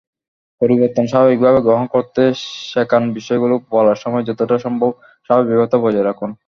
পরিবর্তন স্বাভাবিকভাবে গ্রহণ করতে শেখানবিষয়গুলো বলার সময় যতটা সম্ভব স্বাভাবিকতা বজায় রাখুন।